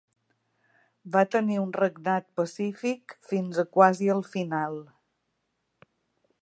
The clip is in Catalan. Va tenir un regnat pacífic fins a quasi el final.